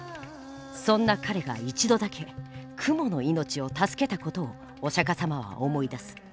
そんな彼が一度だけ蜘蛛の命を助けたことをお釈迦様は思い出す。